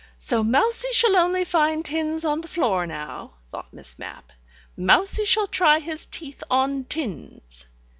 "So mousie shall only find tins on the floor now," thought Miss Mapp. "Mousie shall try his teeth on tins."